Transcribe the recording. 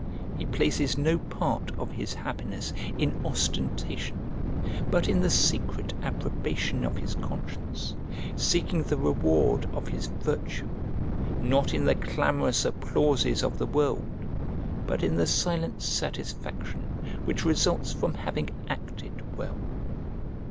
He places no part of his happiness in ostentation, but in the secret approbation of his conscience, seeking the reward of his virtue, not in the clamorous applauses of the world, but in the silent satisfaction which results from having acted well.